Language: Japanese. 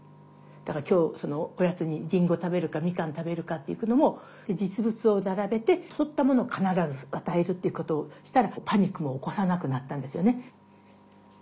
だから今日おやつにりんご食べるかみかん食べるかっていうのも実物を並べて取ったものを必ず与えるっていうことをしたらパニックも起こさなくなったんですよね。